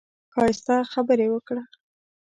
ښايسته خبرې وکړه.